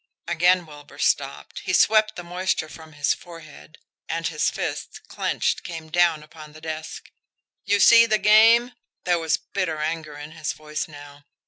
Again Wilbur stopped. He swept the moisture from his forehead and his fist, clenched, came down upon the desk. "You see the game!" there was bitter anger in his voice now.